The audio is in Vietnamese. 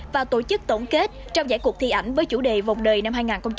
và tổ chức tổng kết trong giải cuộc thi ảnh với chủ đề vòng đời năm hai nghìn một mươi chín